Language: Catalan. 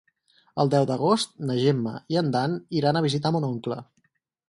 El deu d'agost na Gemma i en Dan iran a visitar mon oncle.